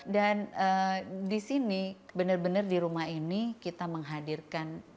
dan di sini benar benar di rumah ini kita menghadirkan